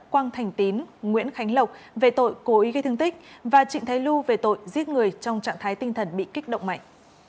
quang thành tín nguyễn khánh lộc về tội cố ý gây thương tích và trịnh thái lu về tội giết người trong trạng thái tinh thần bị kích động mạnh